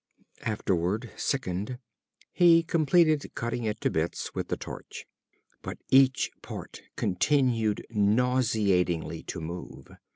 Afterward, sickened, he completed cutting it to bits with the torch. But each part continued nauseatingly to move.